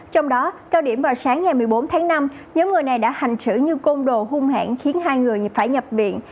trong đó cao điểm vào sáng ngày một mươi bốn tháng năm nhóm người này đã hành xử như côn đồ hung hãn khiến hai người phải nhập viện